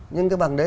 nhưng cái bằng đấy